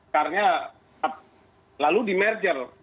karena lalu di merger